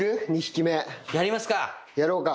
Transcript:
やりますか！